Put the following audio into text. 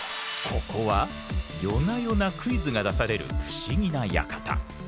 ここは夜な夜なクイズが出される不思議な館。